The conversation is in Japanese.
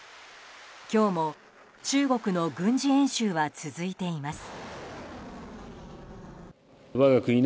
今日も中国の軍事演習は続いています。